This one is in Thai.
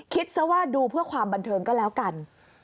ซะว่าดูเพื่อความบันเทิงก็แล้วกัน